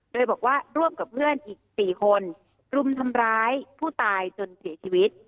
โดยบอกว่าร่วมกับเพื่อนอีก๔คนรุมทำร้ายผู้ตายจนเสียชีวิต